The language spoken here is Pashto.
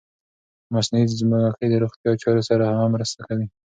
مصنوعي سپوږمکۍ د روغتیا چارو سره هم مرسته کوي.